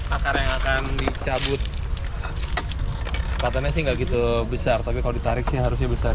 akarnya akan dicabut batangnya sih nggak gitu besar tapi kalau ditarik sih harusnya besar ya